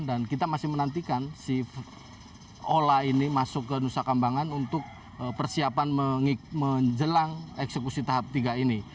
dan kita masih menantikan si ola ini masuk ke nusa kambangan untuk persiapan menjelang eksekusi tahap tiga ini